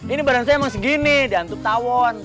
ini badan saya emang segini diantuk tawon